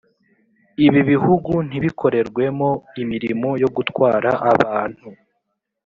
Ibi bihugu ntibikorerwemo imirimo yo gutwara abantu